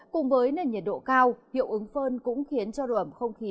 cùng với nền nhiệt độ cao hiệu ứng phơn cũng khiến cho độ ẩm không khí